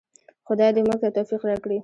خدای دې موږ ته توفیق راکړي؟